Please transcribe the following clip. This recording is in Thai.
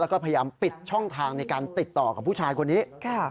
แล้วก็พยายามปิดช่องทางในการติดต่อกับผู้ชายคนนี้